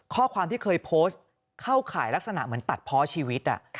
ข้อความที่เคยโพสต์เข้าข่ายลักษณะเหมือนตัดเพาะชีวิต